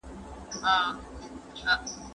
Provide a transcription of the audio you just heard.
آیا تودې اوبه د ستوني د درد په کمولو کې مرسته کوي؟